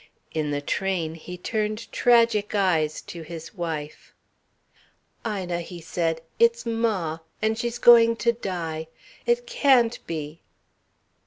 In the train he turned tragic eyes to his wife. "Ina," he said. "It's ma. And she's going to die. It can't be...."